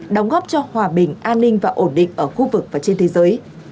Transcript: đóng góp cho hòa bình an ninh và ổn định ở khu vực và trên thế giới